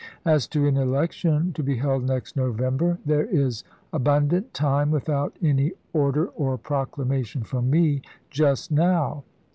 As to an election to be held next November, there is abun dant time without any order or proclamation from me Lincoln to J^^*' ^^w.